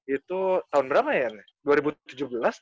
itu tahun berapa ya